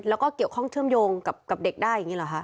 แล้วก็เกี่ยวข้องเชื่อมโยงกับเด็กได้อย่างนี้เหรอคะ